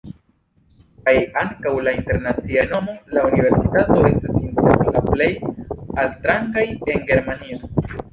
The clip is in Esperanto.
Kaj ankaŭ laŭ internacia renomo la universitato estas inter la plej altrangaj en Germanio.